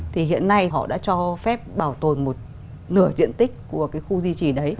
thì hiện nay họ đã cho phép bảo tồn một nửa diện tích của cái khu di trì đấy